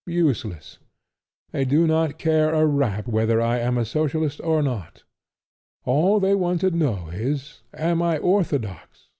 Useless. They do not care a rap whether I am a Socialist or not. All they want to know is; Am I orthodox?